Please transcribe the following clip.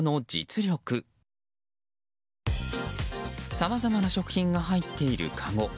さまざまな食品が入っているかご。